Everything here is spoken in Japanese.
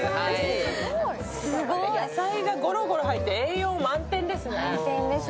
野菜がごろごろ入って、栄養満点ですね。